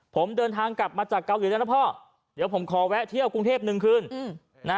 ผมเดินทางกลับมาจากเกาหลีแล้วนะพ่อเดี๋ยวผมขอแวะเที่ยวกรุงเทพหนึ่งคืนนะ